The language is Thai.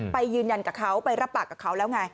ไปยืนยันกับเขาไปรับปากกับเขาแล้วไง